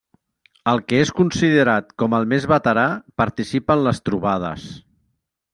El que és considerat com el més veterà participa en les trobades.